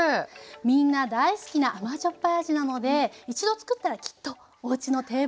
みんな大好きな甘じょっぱい味なので一度つくったらきっとおうちの定番サンドイッチになると思います。